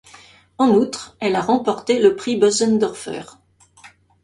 En outre, elle a remporté le Prix Bösendorfer.